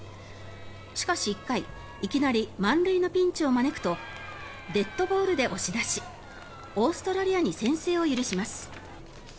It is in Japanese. しかし１回いきなり満塁のピンチを招くとデッドボールで押し出しオーストラリアに先制を許します。